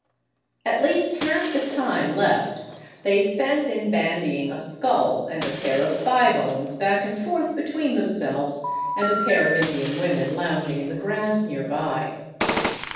At least half the time 403 VAGABONDING DOWN THE ANDES left they spent in bandying a skull and a pair of thigh bones back and forth between themselves and a pair of Indian women lounging in the grass nearby.